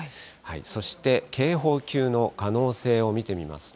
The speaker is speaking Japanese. そして警報級の可能性を見てみますと。